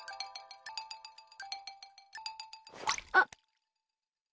あっ！